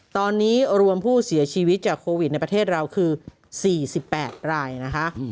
ตอนนี้รวมผู้เสียชีวิตจากโควิดในประเทศเราคือ๔๘รายนะคะ